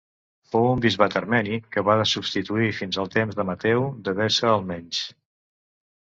Fou un bisbat armeni que va subsistir fins al temps de Mateu d'Edessa almenys.